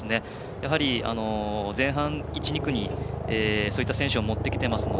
やはり前半の１、２区にそういう選手を持ってきています。